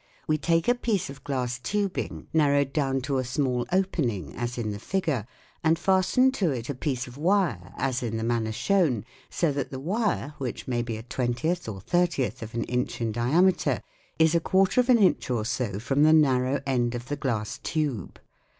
We take a piece of glass tubing, narrowed down to a small opening, as in the figure, and fasten to it a piece of wire as in the manner shown, so that the wire, which may be a twentieth or thirtieth of an inch in diameter, is n6 THE WORLD OF SOUND a quarter of an inch or so from the narrow end of the glass tube.